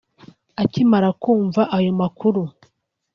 Akimara kumva ayo makuru